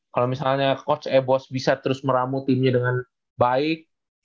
kalo misalnya coach ebos bisa terus meramu timnya dengan baik